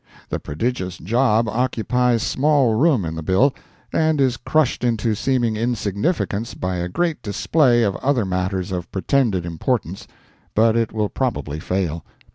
The prodigious job occupies small room in the bill, and is crushed into seeming insignificance by a great display of other matters of pretended importance, but it will probably fail.